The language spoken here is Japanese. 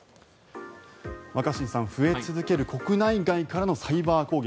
若新さん増え続ける国内外からのサイバー攻撃。